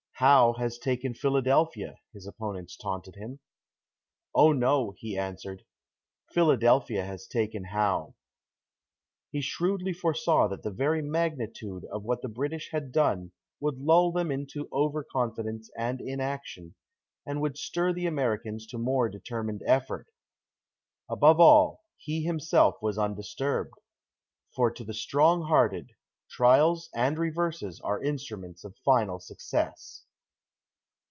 "Howe has taken Philadelphia," his opponents taunted him. "Oh, no," he answered, "Philadelphia has taken Howe." He shrewdly foresaw that the very magnitude of what the British had done would lull them into overconfidence and inaction, and would stir the Americans to more determined effort. Above all, he himself was undisturbed; for to the strong hearted, trials and reverses are instruments of final success.